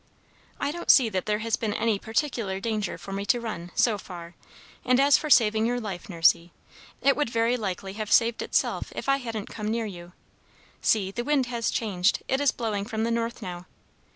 "I don't see that there has been any particular danger for me to run, so far; and as for saving your life, Nursey, it would very likely have saved itself if I hadn't come near you. See, the wind has changed; it is blowing from the north now.